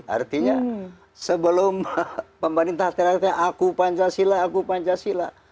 artinya sebelum pemerintah teriak teriak aku pancasila aku pancasila